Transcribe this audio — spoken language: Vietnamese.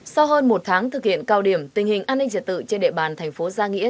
sau hơn một tháng thực hiện cao điểm tình hình an ninh trật tự trên địa bàn thành phố gia nghĩa